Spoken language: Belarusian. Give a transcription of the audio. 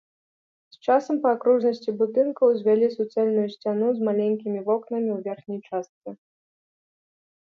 З часам па акружнасці будынка ўзвялі суцэльную сцяну з маленькімі вокнамі ў верхняй частцы.